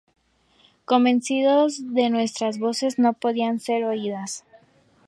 Convencidos que nuestras voces no podían ser oídas.